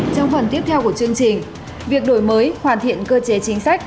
trong phần tiếp theo của chương trình việc đổi mới hoàn thiện cơ chế chính sách